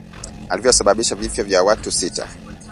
iliyosababisha vifo vya watu sita